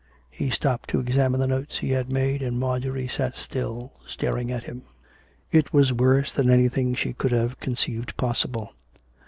He stopped to examine the notes he had made, and Marjorie sat still, staring on him. It was worse than anything she could have conceived possible.